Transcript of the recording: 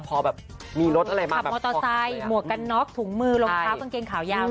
พอแบบมีรถอะไรมาขับมอเตอร์ไซค์หมวกกันน็อกถุงมือรองเท้ากางเกงขายาว